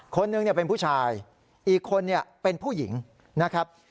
คนหนึ่งเป็นผู้ชายอีกคนเนี่ยเป็นผู้หญิงนะครับ